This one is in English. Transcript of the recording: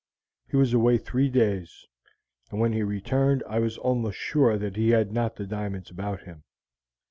"He was away three days, and when he returned I was almost sure that he had not the diamonds about him.